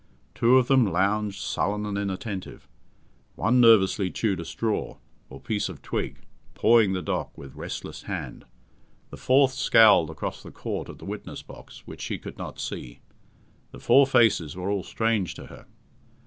Two of them lounged, sullen and inattentive; one nervously chewed a straw, or piece of twig, pawing the dock with restless hand; the fourth scowled across the Court at the witness box, which she could not see. The four faces were all strange to her.